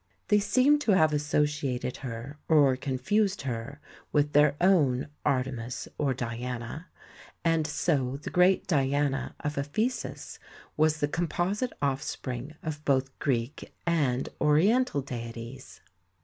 They seem to have associated her or confused her with their own Artemis or Diana, and so the great Diana of Ephesus was the composite offspring of both THE TEMPLE OF DIANA 105 Greek and Oriental deities.